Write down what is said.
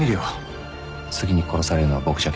「次に殺されるのは僕じゃけん」